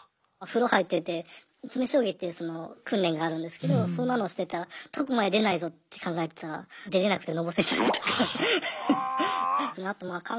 風呂入ってて詰め将棋っていう訓練があるんですけどそんなのをしてたら解くまで出ないぞって考えてたら出れなくてのぼせたりとか。